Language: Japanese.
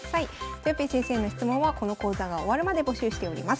とよぴー先生の質問はこの講座が終わるまで募集しております。